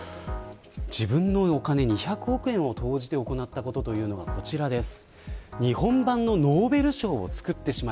自分のお金２００億円を投じて行ったことというのがこちらです。